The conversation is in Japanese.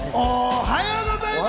おはようございます！